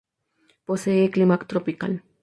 Posee clima tropical.